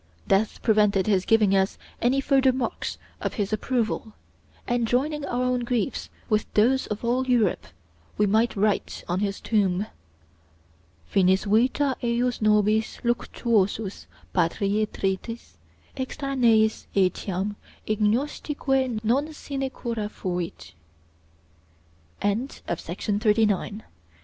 Death prevented his giving us any further marks of his approval; and joining our own griefs with those of all Europe, we might write on his tomb: "Finis vita ejus nobis luctuosus, patriae tristis, extraneis etiam ignotisque non sine cura fuit." VITTORIO ALFIERI (1749 1803) BY L.